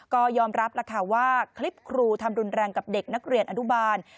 ก็ยอมรับแล้วค่ะว่าคลิปครูทำรุนแรงกับเด็กนักเรียนอนุบาล